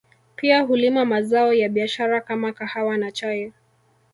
Pia hulima mazao ya biashara kama kahawa na chai